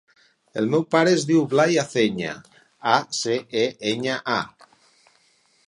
El meu pare es diu Blai Aceña: a, ce, e, enya, a.